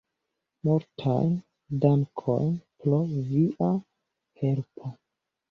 Multajn dankojn pro via helpo!